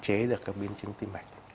nó không hạn chế được các biên chứng tim mạch